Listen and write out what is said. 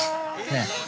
ねえ？